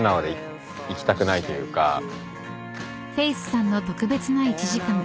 ［ｆａｃｅさんの特別な１時間］